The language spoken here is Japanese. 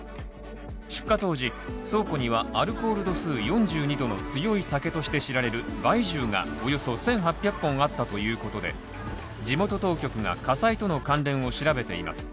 出火当時、倉庫には、アルコール度数４２度の強い酒として知られる白酒がおよそ１，８００本あったということで、地元当局が火災との関連を調べています。